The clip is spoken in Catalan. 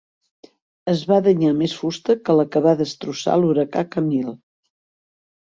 Es va danyar més fusta que la que va destrossar l'huracà Camille.